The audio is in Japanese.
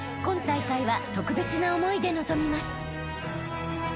今大会は特別な思いで臨みます］